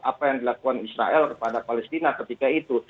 apa yang dilakukan israel kepada palestina ketika itu